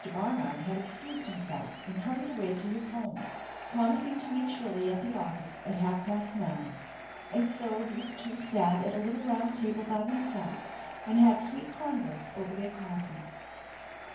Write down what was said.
Barnard had excused himself and hurried away to his home, promising to meet Shirley at the office at half past nine. And so these two sat at a little round table by themselves and had sweet converse over their coffee.